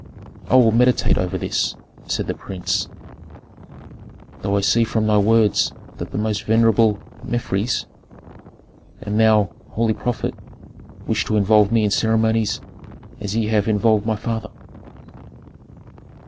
"I will meditate over this," said the prince. "Though I see from thy words that the most venerable Mefres, and thou, holy prophet, wish to involve me in ceremonies as ye have involved my father."